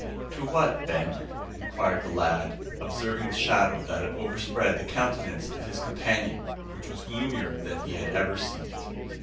"To what, Ben?" inquired the lad, observing the shadow that had overspread the countenance of his companion, which was gloomier than he had ever seen it.